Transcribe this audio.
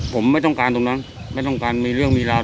ผมไม่ต้องการตรงนั้นไม่ต้องการมีเรื่องมีราว